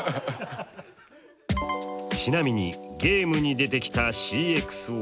ちなみにゲームに出てきたＣｘＯ。